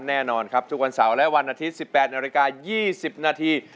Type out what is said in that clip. แน่นอนครับทุกวันเสาร์และวันอาทิตย์๑๘นาฬิกา๒๐นาที